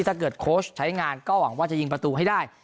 โค้ชใช้งานก็หวังว่าจะยิงประตูให้ได้